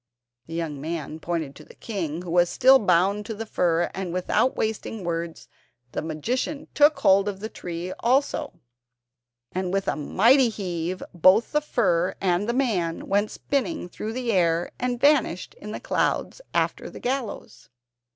The young man pointed to the king, who was still bound to the fir; and without wasting words the magician took hold of the tree also, and with a mighty heave both fir and man went spinning through the air, and vanished in the clouds after the gallows.